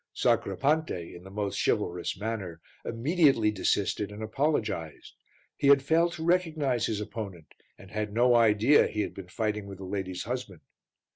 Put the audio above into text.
Sacripante, in the most chivalrous manner, immediately desisted and apologized he had failed to recognize his opponent and had no idea he had been fighting with the lady's husband.